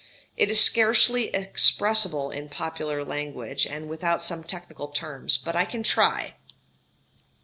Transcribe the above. It is scarcely expressible in popular language, and without some technical terms; but I can try.